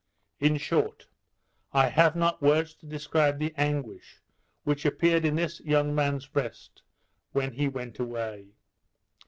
In short, I have not words to describe the anguish which appeared in this young man's breast when he went away.